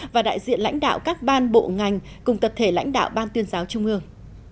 và đại diện lãnh đạo các ban bộ ngành cùng tập thể lãnh đạo ban tuyên giáo trung ương